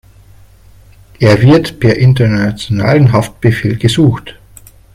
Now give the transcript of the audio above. Er wird per internationalem Haftbefehl gesucht.